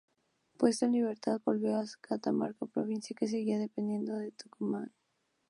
Puesto en libertad, volvió a Catamarca, provincia que seguía dependiendo de la de Tucumán.